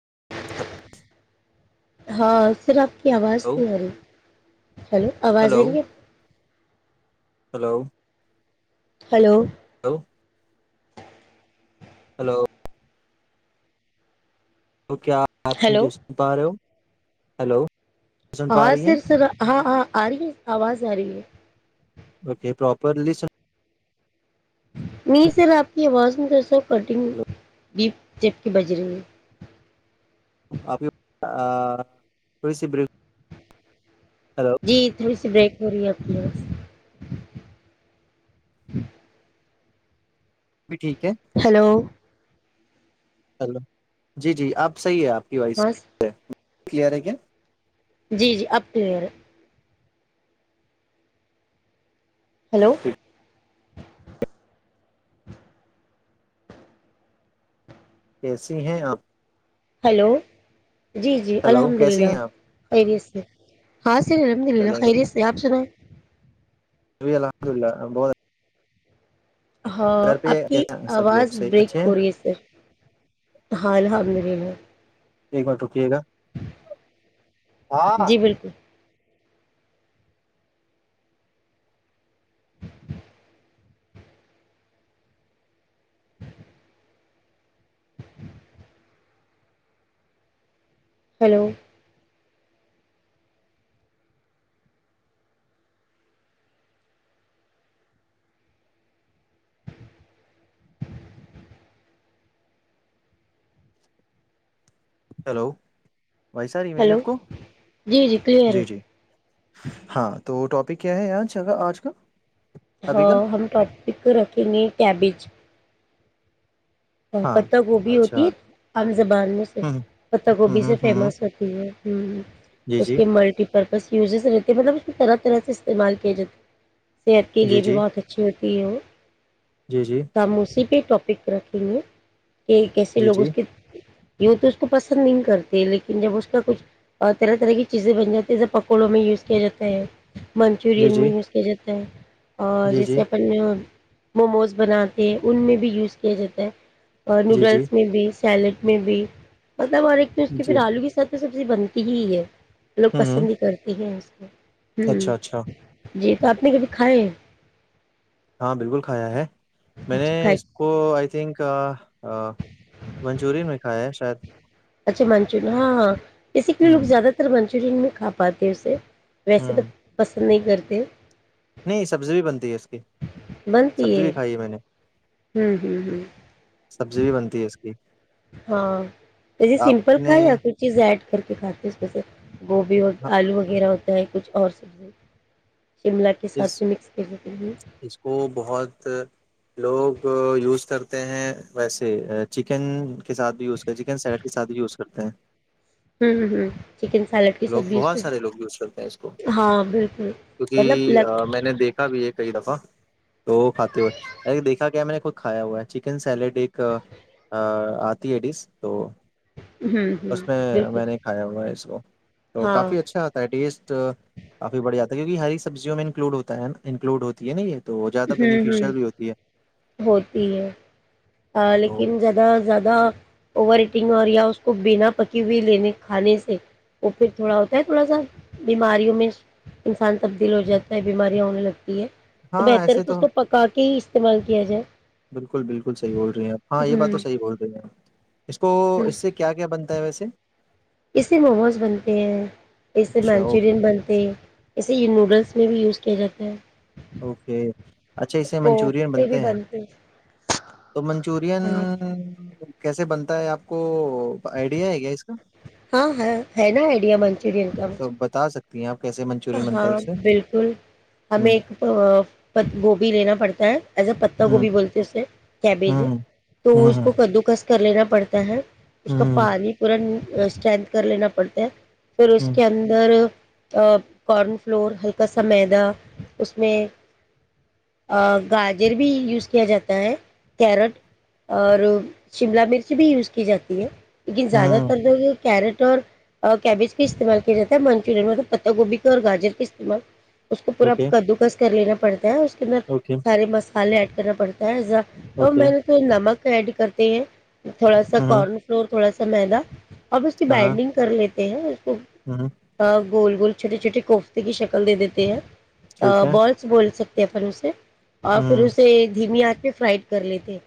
س [inaudible] ہاں صرف کی آواز ہلو نہیں آ رہی ہے ہیلو آواز ہلو آ رہی ہے ہلو ہلو ہیلو ہلو تو کیا آپ ہیلو مجھے سن پا رہے ہو ہلو سن پا رہی ہیں ہاں ہاں اری آواز جا رہی ہے اوکے پروپرلی س نہیں سر آپ کی آواز میں درساو ہلو، کٹنگ ڈپ جبک بج رہی ہے آپ کی ا تھوڑی سی ہلو جی تھوڑی سی بریک ہو رہی ہے اپ بھی ٹھیک ہے ہیلو ہیلو جی جی آپ صحیح ہے آپ کی وائس ہاں کلیئر ہے کیا جی جی اب کلیئر ہے ہیلو کیسی ہیں آپ ہلو جی جی ہلو الحمد کیسی للہ ہیں آپ خیریت سے ہاں سر الحمد للہ خیریت سے آپ سناو ابی الحمد اللہ ب ہاں آپ کی کیسے ہیں سب لوگ آواز صحیح بریک اچھے ہیں ہو رہی ہے سر حال حال مے میں [inaudible] ایک منٹ رکیے گا ہاں جی بالکل ہلو ہیلو وائس ا رہی ہے میری ہلو اپ کو جی کلیئر ہے. جی جی ہاں تو ٹاپک کیا ہے آج آج کا ابھی کا ہاں ہم ٹاپک کو رکھیں گے کیبج ہاں پتہ گوبھی اچھا ہوتی ہے عام زبان میں سے ہوں پتہ ہوں گوبھی ہوں سے ہوں ہوں فیمس ہوتی ہے ہوں جی اس جی کے ملٹی پر بس یوزز رہتے مطلب اس میں طرح طرح سے استعمال کیا جاتا صحت کے جی لیے بھی جی بہت اچھی ہوتی جی جی [inaudible] ت موسی پ ٹاپک پر جے [inaudible] کہ کیسے جی لوگ جی اس کے [inaudible] یہ تو اس کو پسند نہیں کرتے لیکن جب اس کا کچھ طرح طرح کی چیزیں بن جاتی ہے جب پکوڑوں میں یوز کیا جاتا ہے جی منچورین جی میں یوز کیا جا [inaudible] اور جی جیسے جی اپن نے اور [inaudible] موموز بناتے ہیں ان میں بھی یوز کیا جاتا [inaudible] اور جی جی نوڈلس میں بیس [inaudible] سیلیڈ میں بھی مطلب اور ایک پھر اس کی جی ایک آلو کے ساتھ سبزی بنتی ہی ہے لوگ ہوں ہوں پسند ہی کرتے ہیں ہاں اچھا اچھا جی تو آپ نے کبھی کھائے ہیں ہاں بالکل کھایا ہے میں نے اچھا کھائے اس کو آئی تھنک ہ منچورین بھی کھائے ہیں شاید اچھا منچو ن ہاں اسی لیے لگ ہوں زیاد تر بن [inaudible] چرین میں کھا پاتے اسے ویسے تو ہوں بس پسند نہیں کرتے نہیں سبزی بھی بنتی ہے اس کی سبزی بھی کھائی ہے میں نے ہوں ہوں ہوں سبزی بھی بنتی ہے اس کی ہاں پ آپ سمپل نے کھائےیا کچ زیڈ [inaudible] کرھر کے کھاتے اس میں سے [inaudible] گوبھی ہاں، آلو وغیرہ ہو ہے کچھ اور سبزی شملہ کے ساتھ اس بھی مکس کرتیوں اس کو بہت لوگ یوز کرتے ہیں ویسے چکن کے سات بھی وز کر چکن سیڈ کے سھ بھی وز سکتے ہیں ہوں ہوں چکن سیلیڈ کے لوگ ساتھ بھی اس بہت سارے کو لوگ یوز کرتے ہیں اس کو ہاں بالکل مطلب لگ کیونکہ میں نے دیکھا بھی ایک کئی دفعہ تو کھاتے ہوئے ارے دیکھا گ میں نے خود کھایا ہوا ہے چکن سیلیڈ ایک آتی ہے ڈس تو ہوں ہوں اس میں بالکل میں نے کھایا ہوا اس کو تو ہاں کافی اچھا آتا ہے ٹیسٹ کافی بڑیا جا ہے کیونک ہری سبزیوں میں انکلوڈ ہوتا ہے انکلوڈ ہوتی ہے ن یہ تو زیادہ ہوں بینیفیشیل ہوں بھی ہوتی ہے ہوتی ہے تو لیکن زیادہ زیادہ اوور ایٹنگ اور اس کو بنا پکی ہوئی لینے کھانے سے وہ پھر تھوڑا ہوتا ہے تھوڑا سا بیماریوں میں انسان تبدیل ہو جاتا ہے بیماریاں ہونے لگتی ہے تو ہاں بہتر ایسے کہ اس تو کو پکا کے ہی استعمال کیا جائے بالکل بالکلحیح بول رہی ہیں ہاں یہ بات تو ہوں صحی بول رہی ہیں اس کو ہ اس سے کیا کیا بنتا ہے ویسے اس سے موموز بنتے ہیں اس سے اچھا اوکے منچورن بنتے ہیں اسے یہ نوڈلس اس میں بھی یوز کیا جاتا ہے اوکے اچھا اسے منچورین بنتے ہیں تو چورن ہاں کیسے بنتا ہے آپ کو آئیڈیا ہے گیا اس کا ہاں ہاں ہے نا آئیڈیا من چرین کام تو [unintelligible] بنتا ہے ہاں اس سے بالکل ہمیں ہ ایک گوبھی لینا پڑتا ہے ایز ا پتاہ ہ گوبھی بولتے اسے ہ کیبیج تو اس ہ کو کدوکس کر لینا پڑتا ہے اس کا ہ پ بھی پورا اسٹرینتھ کر لینا پڑتا ہے پھر اس ہ کے اندر ا [unintelligible] کارن فلور ہلکا سا میدا اس میں گاجر بھی یوز کیا جاتا ہے کیرٹ اور شملہ مرچ بھی یوز کی جاتی ہے لیکن زیادہ ہ تر جو کیرٹ اور کیبج کا استعمال کیا جاتا ہے منچورن میں پتہ گوبھی اور گاجر کا استعمال اس کو پورا اوکے کدو کس کر لینا پڑتا ہے اس ر اوکے سارے مسالے آ کرنا پڑتا ہےزا اور اوکے میں نے کوئی نمک ایڈ کرتے ہیں تھوڑا سا ہ کارن فلور تھوڑا س ملاہ اب اس کی ہاں بائنڈنگ کر لیتے یہ ہ ہاں گول بول چھوٹی چھوٹی کوفتے کی شکل د دیتے ہیں ٹھیک ا ہے بالس بول سک د فن سے ہ اور پھر اسے دھیمی آتی پ فرائٹ کر لیتے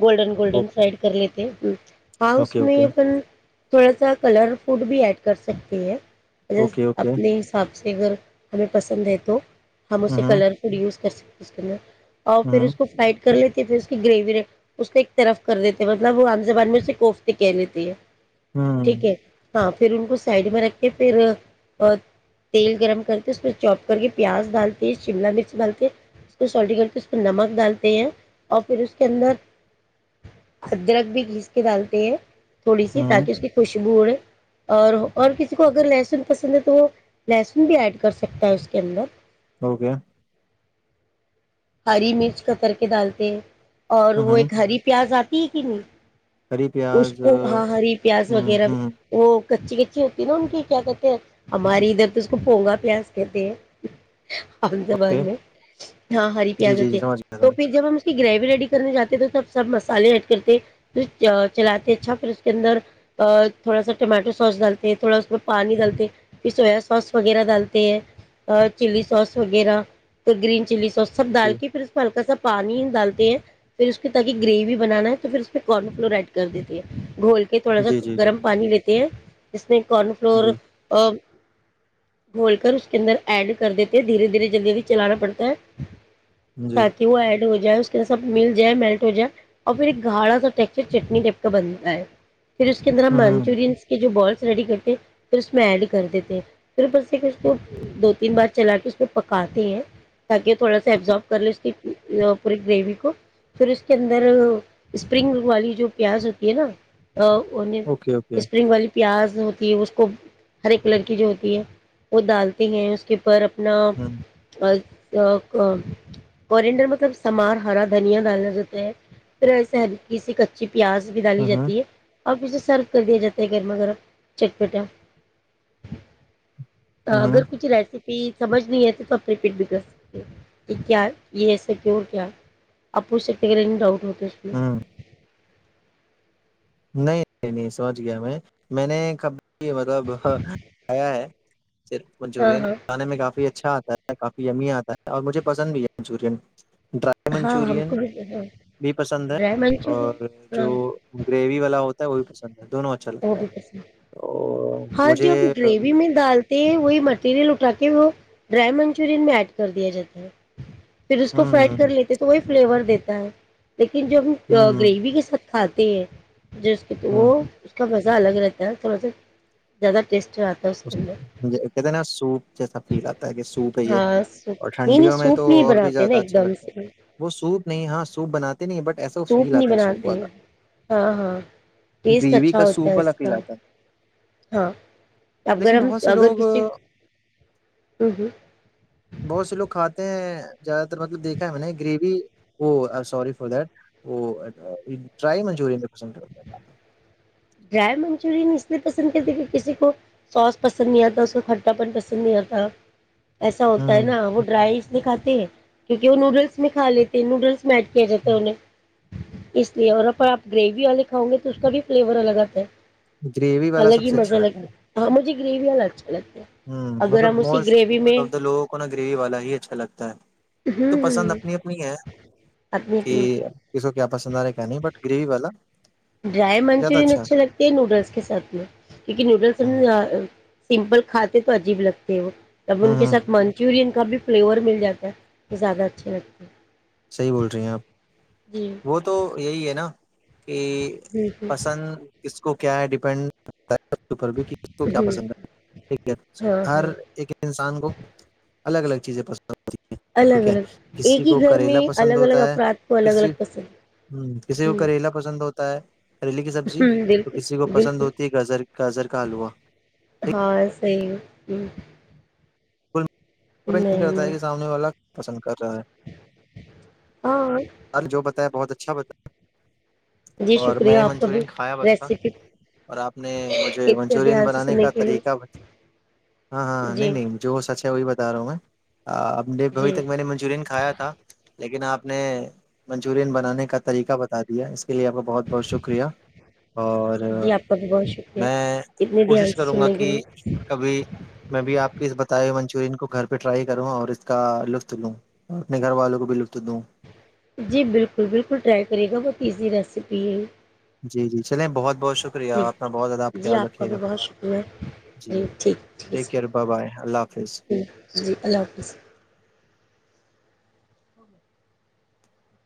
گولڈن گولڈن سائڈ کر لیتے ایک پاؤس اوکے اوکے میں اپن تھوڑا سا کلر فوڈ بھی ایڈ کر سکتی ہے اوکے اوکے حساب سے اگر ہمیں پسند ہے تو ہم ہ اسے ہ کلر پروڈیوز کر سکتے اس کےے اور پھر ہ اس کو فائٹ کر لیتی ہے پھر اس کی گریوی اس کو ایک طرف کر دیتے مطلب وہ عام زبان میں اسے کوفتی کہہ لیتی ہے ٹھیک ہے ہاں پھر ان کو سائڈ میں رکھ کے پھر اور تیل گرم کرتے اس میں چوپ کر کے پیاز ڈالتے ہیں شملہ مرچ ڈالتے ہیں اس کو سٹی کر کے اس میں نمک ڈالتے ہیں اور پھر اس کے اندر ادرک بھی گھیس کے ڈالتے ہیں تھوڑی سی تاک اس کی خوشبو اور اور کسی کو اگر لہسن پسند ہے تو تو لہسن بھی ایڈ کر سکتا ہے اس کے اندر اوکے ہری مرچ کاتر کے ڈالتے ہیں اور ہ وہ ایک ہری پیاز آتا تیک نہیں ہری اس پیاز کو ہاں ہ ہری پیاز وغیرہ ہ وہ کچی کچی ہوتی ہے نا ان کی کیا کہتے ہیں ہماری ادھر تو اس کو پونگا پیاز کہتے ہیں ا ز بے اوکے نہ ہری پیا جی جی جتے جی سمجھ گیا تو سمجھ پھر جب ہم اس کی گریوی ریڈی کرنے جے تو سب سب مسالے ایڈ کرتے پھر چلاتے اچھا پھر اس کے اندر تھوڑا سا ٹمیاٹو سوس ڈالتے ہیں تھوڑا اس میں پانی ڈالتے پھر سویا سوس وغیرہ ڈالتے ہیں چلی سوس وغیرہ گرین چلی سوس سب ڈال گیا۔ کے پھر اس [inaudible] میں ہلکا سب پانی ڈالتے ہیں پھر اس کے تاکہ گریوی بنانا ہے تو پھر اس میں کن فلور ایڈ کر دیتے ہیں گھول کے تھوڑا سا جی جی جی گرم پانی لیتے ہیں اس نے کن فلور جی گھول کر اس کے اندر ایڈ کر دیتے ہیں دھیرے دھیرے جلدی اھی چلانا پڑتا ہے جی جی تاکہ وہ ای ہو جائے اس کے سب مل جائے میلٹ ہو جائے اور پھر ایک گھاڑا سا ٹسچر چٹنی ٹیپ کا بنتا ہے پھر اس کے اندر ہم ہ منچورنس کے جو بالس ریڈی کرتے پھر اس میں ایڈ کر دیتے پھر بس تو دو تین بار چلا کے اس پ میں پکاتے ہیں تاکہ تھوڑا سا ایبزارب کر ل اس کی پوری گریوی کو پھر اس کے اندر اسپرنگ والی جو پیاز ہوتی ہے نا ہ ان اوکے اوکے اسپرنگ والی پیاز ہوتی ہے اس کو ہرے کلر کی جو ہوتی ہے وہ ڈالتے ہیں اس کے اوپر ن ہوں اور تو نڈر مطلب سمار ہرا دھنیا ڈالا جاتا ہے پھر ایسے کسی کچی [inaudible] پیاز بھی ڈالی ہوں ہوں جاتی ہے اور اسے سرو کر دیا جاتا ہے گھرمغگر چٹ پیٹیں ہوں اگر کچھ ریسیپ سمجھ نہیں آتی تو اپنے پیٹ بھی گس [inaudible] کہ کیا یہ ایسا کی اور کیا آپ ہوچ سکتے کہے ڈاؤٹ ہوتا جش میں [inaudible] ہوں نہیں نہیں نہیں سوچ گیا میں میں نے کب بھی مطلب کیا ہے صرف ہاں منچورین ہاں کھانے میں کافی اچھا آتا ہے کافی امی آتا ہے اور مجھے پسند بھی ہے منچورن ہاں ہم کو بھی پسند ہے ڈرائی منچ ہے اور جو ہاں گریوی ہوتا ہے وہ بھی پسند ہے دونوں اچھا وہ لگتا ہے بھی تو پسند ہاں مجھے جو ہم گریوی ہوں میں ڈالتے ہیں وہی مٹیریل کے وہ ڈرائی منچورین میں ایڈ کر دیا جاتا ہے پھر اس کو ہ فیڈ کر لیتے تو وہ فلیور دیتے [inaudible] لیکن ج ہم ہ ہ گریوی کے سات کھاتاتی ہیں جس کی تو وہ ہ مزہ الگ رہتا ہے تھوڑا سا زیادہ ٹیٹ کہتے نا سوپ [inaudible] جیسا فیل آتا ہے کہ سوپ ہے یہ ہاں سوپ اور نہیں نہیں ٹھنڈیوں میں تو سوپ نہیں اور بھی بناتے نا زیادہ ایک اچھا دم لگتا ہے سے وہ سوپ نہیں ہاں سوپ بناتے نہیں بٹ ایسا وہ سوپ فیل نہیں آتا ہے سوپ بناتے والا ہاں ہاں ٹیسٹ گریوی اچھا کا ہوتا سوپ ہے والا اس کا فیل آتا ہے ہاں اگر لیکن ہم بہت سے اگر لوگ کسی بہت سے لوگ کھاتے ہیں زیادہ تر مطلب دیکھا ہے میں نے گریوی سی ف دی ڈرائی منچور پسندتا ہے کھانا ڈرائی منچورین اس لیے پسند کرتی کی کسی کو سوس پسند نہیں آتا اس کو کھٹا پن پسند نہیں آتا ایسا ہوتا ہے ہ نا وہ ڈرائگ کاتے ہیں کیونک وہ نوڈلس میں کا لیتے ہیں نوڈلس میچ کیا جاتا ہے انہیں اس لیے اور ا آپ گریوی والے کاؤ گے تو اس کا بھی فلیور الگ [inaudible] گریوی والا الگ سب ہی سے مزہ اچھا آتا لگتا ہے ہاں مجھے گریوی وال الج کل ہے ہ اگر مطلب ہم اسی موسٹ گریوی میں آف دا لوگوں کو نا گریوی والا ہی اچھا لگتا ہے تو پسند ہوں اپنی اپنی ہے اپنی کہ اپنی کسی کو کیا پسند آ رہا کیا نہیں بٹ گریوی والا ڈرائی زیادہ منچورین اچھا اچھے لگتے ہے نوڈلس کے ساتھ میں کیونکہ نوڈلس ہ سمپل کھدے تو عجیب لگتے وہ تب ہ ان کے ہ ساتھ منچورین کا بھی فلیور مل جاتا ہے تو زیادہ اچھے لگتے ہیں صحیح بول رہی ہیں آپ جی وہ تو یہی ہے نا کہ ہوں ہوں پسند کس کو کیا ہے ڈیپینڈ او کہ اس کو کیا ہوں پسند ہے ہاں ہر ہاں ایک انسان کو الگ الگیزیں پس الگ الگ ایک ہی گھر کریلا میں پسند الگ الگ ہوتا ہے افراد کو الگ کسی الگ ہ پسند کسی کو ہوں کریلا پسند ہوتا ہے کریلے کی سبزی تو بالکل کسی کو پسند بالکل ہوتی ہے گر گجر کا حلوا ٹھیک نہیںی ہ تا کہ سامنے والا پسند کر رہا ہے ہاں جو تا بہت اچھا بتا جی اور میں شکریہ نے آپ کا بھی منچورین کھایا بس تھا ریسیپی اور آپ نے مجھے اتنے منچورین دھیان سے بنانے سننے کا کے طریقہ لیے ہاں ہاں نہیں جی نہیں سچا ہے وہی بتا رہا ہوں میں ب نے جی اھبھی تک میں نے منچورین کھایا تھا لیکن آپ نے منچورن بنانے کا طریقہ بتا دیا اس لیے آپ کا بہت بہت شکریہ اور جی آپ کا بھی بہت شکریہ میں اتنے دھیان کوشش سے کروں گا سننے کہ کے لیے کبھی میں بھی آپ منچورن کو گھر پہ ٹائی کروں اور اس کا لطف لوں اپنے گھر والوں کو بھی لطف دوں جی بالکل بالکل ٹرائی کرے گا بہت ایزی ریسیپی ہے جی جی چلیں بہت بہت شکریہ جی اپنا بہت زیادہ آپ جی خیال کا رکھیے بھی گا بہت شکریہ جی ٹھیک ہے ربہ بائے اللہ حافظ ہے جی اللہ حافظ